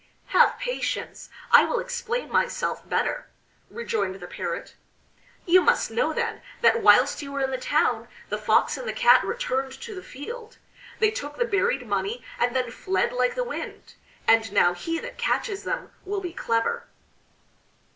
"Have patience! I will explain myself better," rejoined the Parrot. "You must know, then, that whilst you were in the town the Fox and the Cat returned to the field; they took the buried money and then fled like the wind. And now he that catches them will be clever."